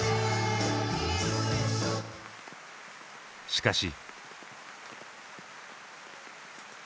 しかし。